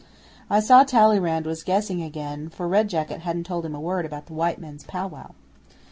'I saw Talleyrand was guessing again, for Red Jacket hadn't told him a word about the white men's pow wow.